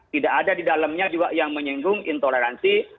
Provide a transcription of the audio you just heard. tidak ada di dalamnya juga yang menyinggung intoleransi